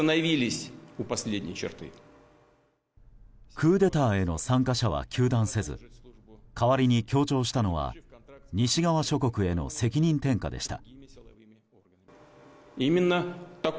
クーデターへの参加者は糾弾せず代わりに強調したのは西側諸国への責任転嫁でした。